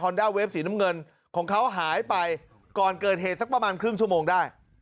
ด้าเวฟสีน้ำเงินของเขาหายไปก่อนเกิดเหตุสักประมาณครึ่งชั่วโมงได้